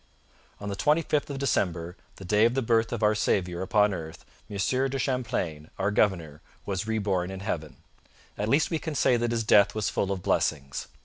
On the twenty fifth of December, the day of the birth of our Saviour upon earth, Monsieur de Champlain, our Governor, was reborn in Heaven; at least we can say that his death was full of blessings.